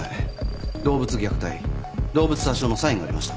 動物虐待動物殺傷のサインがありました。